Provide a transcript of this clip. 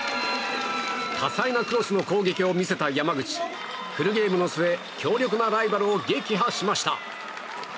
多彩なクロスの攻撃を見せた山口フルゲームの末強力なライバルを撃破しました。